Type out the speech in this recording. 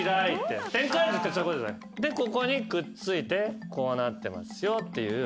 ここにくっついてこうなってますよっていう。